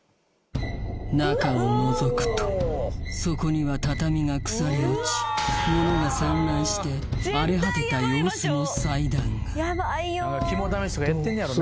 中をのぞくとそこには畳が腐り落ち物が散乱して荒れ果てた様子の祭壇がどう？